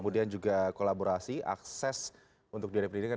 kemudian juga kolaborasi akses untuk diri pendidikan